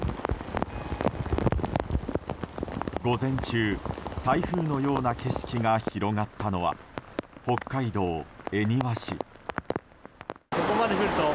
午前中、台風のような景色が広がったのは北海道恵庭市。